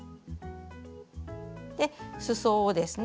すそをですね